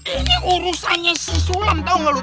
ini urusannya si sulam tau gak lo